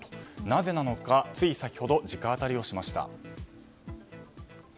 なぜなのかつい先ほど、直アタリをしました。